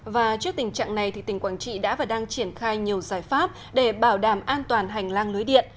và trước tình trạng này tỉnh quảng trị đã và đang triển khai nhiều giải pháp để bảo đảm an toàn hành lang lưới điện